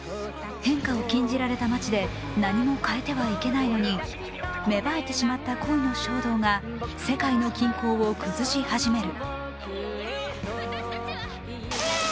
変化を禁じられた町で何も変えてはいけないのに芽生えてしまった恋の衝動が世界の均衡を崩し始める。